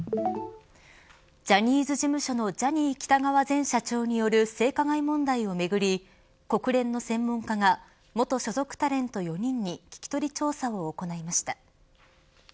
ジャニーズ事務所のジャニー喜多川前社長による性加害問題をめぐり国連の専門家が元所属タレント４人に聞き取り調査を行いました。